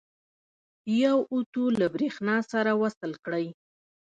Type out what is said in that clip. یو اوتو له برېښنا سره وصل کړئ.